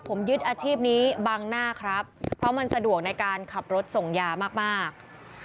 ผมยึดอาชีพนี้บังหน้าครับเพราะมันสะดวกในการขับรถส่งยามาก